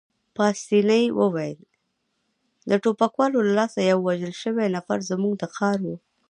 پاسیني وویل: د ټوپکوالو له لاسه یو وژل شوی نفر، زموږ د ښار وو.